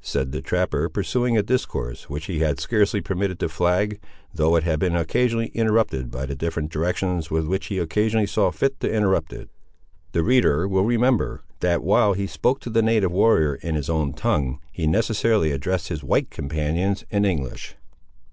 said the trapper, pursuing a discourse which he had scarcely permitted to flag, though it had been occasionally interrupted by the different directions with which he occasionally saw fit to interrupt it. (The reader will remember that, while he spoke to the native warrior in his own tongue, he necessarily addressed his white companions in English.)